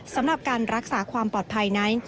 สำหรับการรักษาความปลอดภัยนั้น